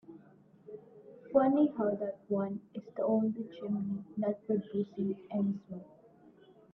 Funny how that one is the only chimney not producing any smoke.